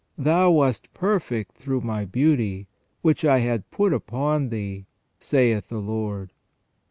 "Thou wast perfect through My beauty, which I had put upon thee, saith the Lord."